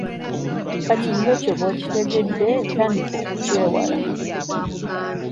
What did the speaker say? Kati nga ekyo bw'okitegedde tandika okukyewala.